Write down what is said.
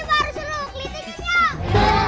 baru seru klitiknya